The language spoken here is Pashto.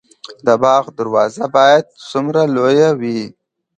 د باغ دروازه باید څومره لویه وي؟